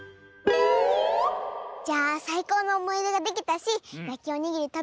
じゃあさいこうのおもいでができたしやきおにぎりたべたからかえろう。